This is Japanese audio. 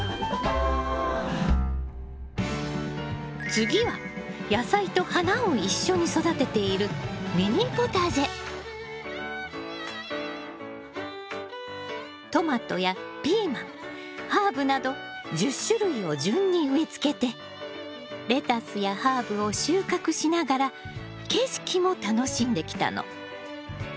次は野菜と花を一緒に育てているトマトやピーマンハーブなど１０種類を順に植えつけてレタスやハーブを収穫しながら景色も楽しんできたの。